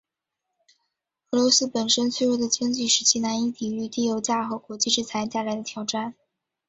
俄罗斯本身脆弱的经济使其难以抵御低油价和国际制裁带来的挑战。